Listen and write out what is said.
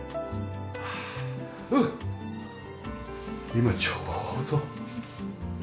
今ちょうど。